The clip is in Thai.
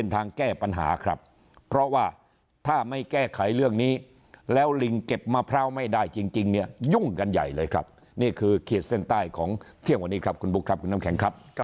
ถ้าพร้าวไม่ได้จริงเนี่ยยุ่งกันใหญ่เลยครับนี่คือเครียดเส้นใต้ของเที่ยววันนี้ครับคุณบุ๊คครับคุณน้ำแข็งครับ